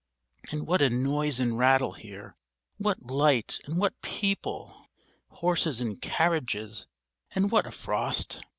And what a noise and rattle here, what light and what people, horses and carriages, and what a frost!